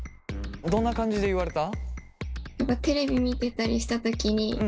どんな感じで言われた？